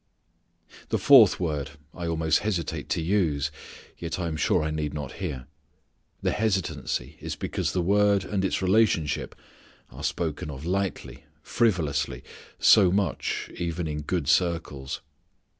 The fourth word, I almost hesitate to use, yet I am sure I need not here. The hesitancy is because the word and its relationship are spoken of lightly, frivolously, so much, even in good circles.